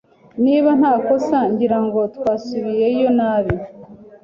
Niba ntakosa, ngira ngo twasubiyeyo nabi.